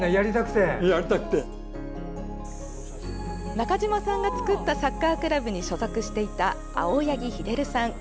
中島さんが作ったサッカークラブに所属していた青柳英さん。